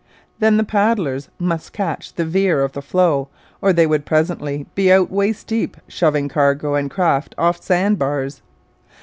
Then the paddlers must catch the veer of the flow or they would presently be out waist deep shoving cargo and craft off sand bars.